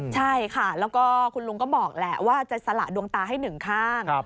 ใช่ค่ะแล้วก็คุณลุงก็บอกแหละว่าจะสละดวงตาให้หนึ่งข้าง